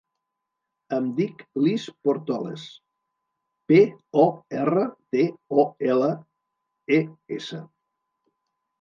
Em dic Lis Portoles: pe, o, erra, te, o, ela, e, essa.